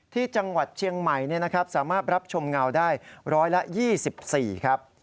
ที่จังหวัดเชียงใหม่สามารถรับชมเงาได้๑๒๔ครับ